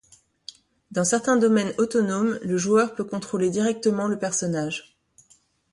Dans certains domaines autonomes, le joueur peut contrôler directement le personnage.